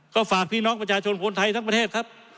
ก็ฝากพี่น้องประชาชนคนไทยทั้งประเทศครับ